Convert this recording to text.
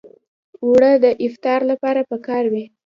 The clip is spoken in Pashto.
اوړه د افطار لپاره پکار وي